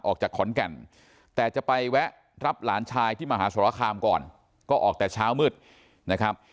ออกจากขอนแก่นแต่จะไปแวะรับหลานชายที่มหาสรคามก่อนก็ออกแต่เช้ามืดนะครับ